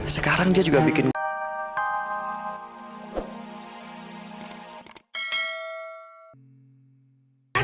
sekarang dia juga bikin